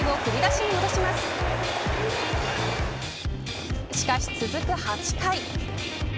しかし、続く８回。